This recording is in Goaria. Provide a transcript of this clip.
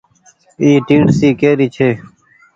اي ٽيڻسي ڪي ري ڇي۔